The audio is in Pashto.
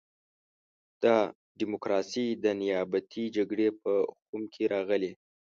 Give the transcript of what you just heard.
دا ډیموکراسي د نیابتي جګړې په خُم کې راغلې.